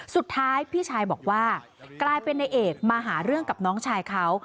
สุดท้ายพี่ชายบอกว่ากลายเป็นนายเอกมาหาเรื่องกับน้องชายเขา